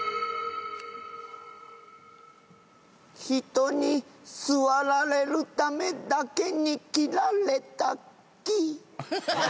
人に座られるためだけに切られた木。